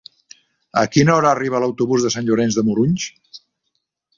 A quina hora arriba l'autobús de Sant Llorenç de Morunys?